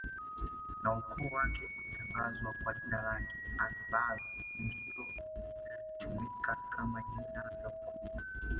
na ukoo wake ulitangazwa kwa jina lake anbalo ndilo lilitumika kama jina la ukoo